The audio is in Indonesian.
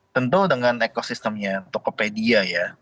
tentu dengan ekosistemnya tokopedia ya